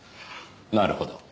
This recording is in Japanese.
なるほど。